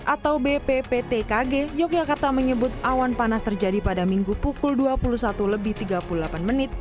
atau bpptkg yogyakarta menyebut awan panas terjadi pada minggu pukul dua puluh satu lebih tiga puluh delapan menit